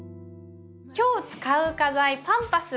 今日使う花材パンパス。